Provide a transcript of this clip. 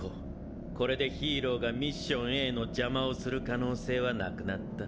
これでヒーローがミッションＡの邪魔をする可能性はなくなった。